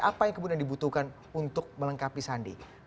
apa yang kemudian dibutuhkan untuk melengkapi sandi